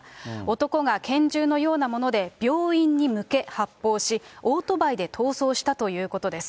男が拳銃のようなもので病院に向け発砲し、オートバイで逃走したということです。